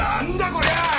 こりゃ！